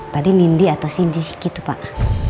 tadi nindi atau sindy gitu pak